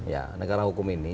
ya negara hukum ini